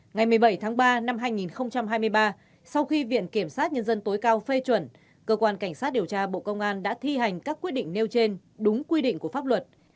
ngày một mươi bảy tháng ba năm hai nghìn hai mươi ba sau khi viện kiểm sát nhân dân tối cao phê chuẩn cơ quan cảnh sát điều tra bộ công an đã thi hành các quyết định nêu trên đúng quy định của pháp luật